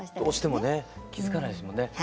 どうしてもね気付かないですもんね。